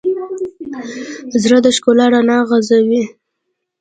زړه د ښکلا رڼا غځوي.